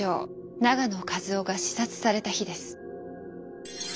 永野一男が刺殺された日です。